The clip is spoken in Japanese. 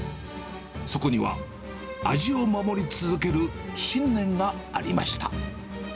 そこには、味を守り続ける信念がありました。